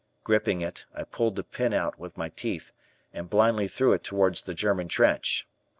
Gripping it, I pulled the pin out with my teeth and blindly threw it towards the German trench.